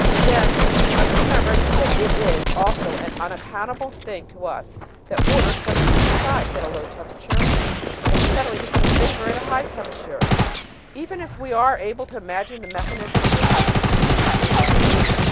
But then we must remember that it is also an unaccountable thing to us that water suddenly becomes ice at a low temperature and suddenly becomes vapour at a high temperature, even if we are able to imagine the mechanism which necessitates these changes.